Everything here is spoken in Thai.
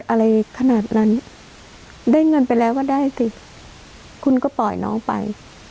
อะไรขนาดนั้นได้เงินไปแล้วก็ได้สิคุณก็ปล่อยน้องไป